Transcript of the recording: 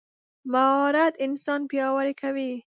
مهارت انسان پیاوړی کوي.